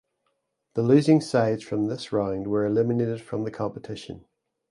The losing sides from this round were eliminated from the competition.